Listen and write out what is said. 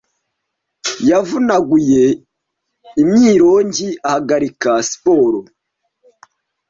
'Yavunaguye imyironge, ahagarika siporo,